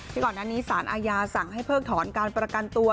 ก่อนหน้านี้สารอาญาสั่งให้เพิกถอนการประกันตัว